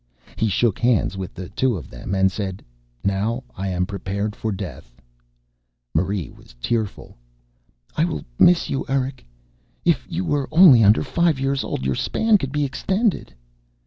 He shook hands with the two of them and said: "Now I am prepared for death." Marie was tearful. "I will miss you, Eric. If you were only under five years old your span could be extended."